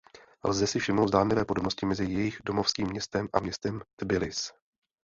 Lze si všimnout zdánlivé podobnosti mezi jejich domovským městem a městem Tbilisi.